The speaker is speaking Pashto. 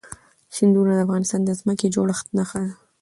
سیندونه د افغانستان د ځمکې د جوړښت نښه ده.